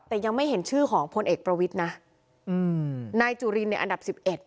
แต่ยังไม่เห็นชื่อของพลเอกประวิทย์นะนายจุรินในอันดับ๑๑